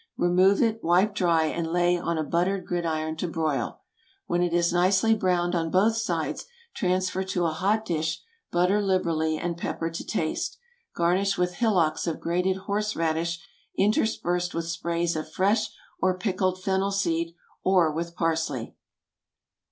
Remove it, wipe dry, and lay on a buttered gridiron to broil. When it is nicely browned on both sides, transfer to a hot dish; butter liberally, and pepper to taste. Garnish with hillocks of grated horse radish interspersed with sprays of fresh or pickled fennel seed, or with parsley.